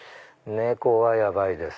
猫はヤバいです。